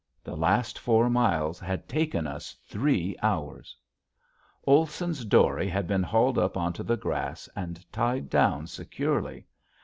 (The last four miles had taken us three hours!) Olson's dory had been hauled up onto the grass and tied down securely.